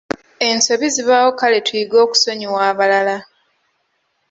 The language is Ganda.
Ensobi zibaawo kale tuyige okusonyiwa abalala.